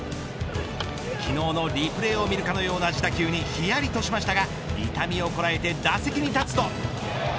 昨日のリプレーを見るかのような自打球にひやりとしましたが痛みをこらえて打席に立つと。